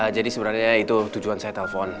jadi sebenarnya itu tujuan saya telpon